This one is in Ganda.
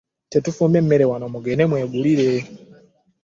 Tetufumbye mmere wano, mugende mwegulire.